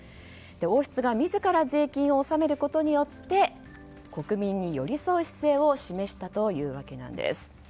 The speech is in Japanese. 王室が自ら税金を納めることによって国民に寄り添う姿勢を示したというわけなんです。